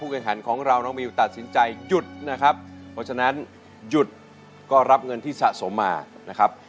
แข่งขันของเราน้องมิวตัดสินใจหยุดนะครับเพราะฉะนั้นหยุดก็รับเงินที่สะสมมานะครับ